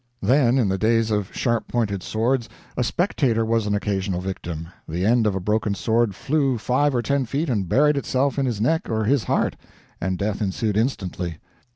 Then in the days of sharp pointed swords, a spectator was an occasional victim the end of a broken sword flew five or ten feet and buried itself in his neck or his heart, and death ensued instantly.